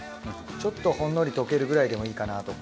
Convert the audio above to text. ちょっとほんのり溶けるくらいでもいいかなとか。